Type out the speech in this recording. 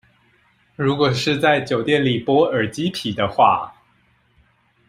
如果是在酒店裡剝耳機皮的話